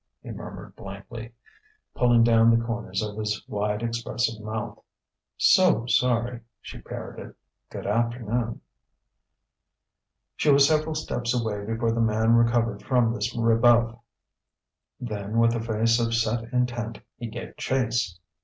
he murmured blankly, pulling down the corners of his wide, expressive mouth. "So sorry," she parroted. "G'dafternoon." She was several steps away before the man recovered from this rebuff. Then, with a face of set intent, he gave chase.